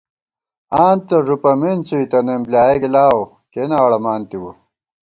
آں تہ ݫُپَمېن څُوئیتنَئیم بۡلیایَہ گِلاؤ کېنا اڑَمان تِوَہ